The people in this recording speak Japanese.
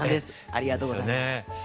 ありがとうございます。